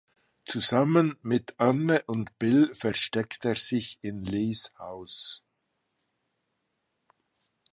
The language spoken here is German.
Zusammen mit Anne und Bill versteckt er sich in Lees Haus.